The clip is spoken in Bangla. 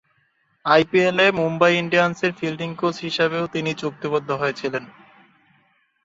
আইপিএলে মুম্বই ইন্ডিয়ান্সের ফিল্ডিং কোচ হিসেবেও তিনি চুক্তিবদ্ধ হয়েছিলেন।